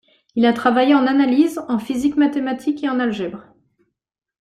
Il a travaillé en analyse, en physique mathématique et en algèbre.